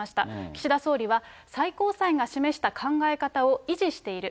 岸田総理は最高裁が示した考え方を維持している。